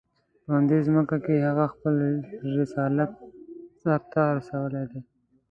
په همدې ځمکه کې هغه خپل رسالت سر ته رسولی دی.